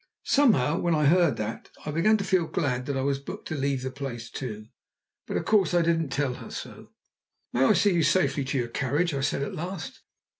Somehow, when I heard that, I began to feel glad I was booked to leave the place too. But of course I didn't tell her so. "May I see you safely to your carriage?" I said at last.